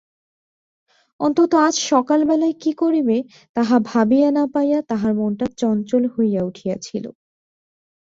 অন্তত আজ সকালবেলায় কী করিবে তাহা ভাবিয়া না পাইয়া তাহার মনটা চঞ্চল হইয়া উঠিয়াছিল।